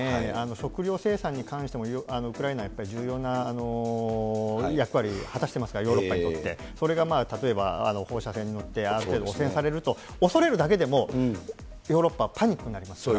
食料生産に関しても、ウクライナ、やっぱり重要な役割を果たしていますから、ヨーロッパにおいて、それが例えば、放射線によって汚染されると、恐れるだけでも、ヨーロッパはパニックになりますから。